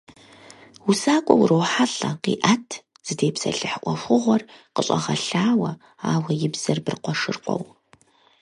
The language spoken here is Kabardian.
УсакӀуэ урохьэлӀэ, къиӀэт, зытепсэлъыхь Ӏуэхугъуэр къыщӀэгъэлъауэ, ауэ и бзэр быркъуэшыркъуэу.